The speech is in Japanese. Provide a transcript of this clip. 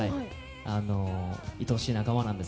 いとおしい仲間です。